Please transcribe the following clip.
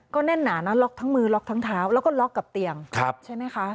ก็แน่นหนานะล็อกทั้งมือล็อกทั้งเท้าแล้วก็ล็อกกับเตียงใช่ไหมคะ